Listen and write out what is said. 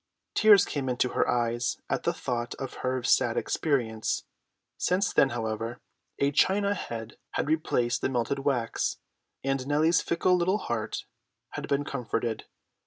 Tears came into her eyes at the thought of her sad experience. Since then, however, a china head had replaced the melted wax, and Nellie's fickle little heart had been comforted.